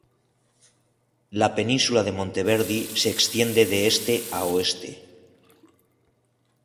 La península de Monteverdi se extiende de este a oeste.